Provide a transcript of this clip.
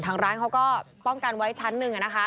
ทางร้านเขาก็ป้องกันไว้ชั้นหนึ่งนะคะ